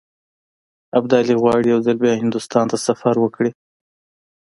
ابدالي غواړي یو ځل بیا هندوستان ته سفر وکړي.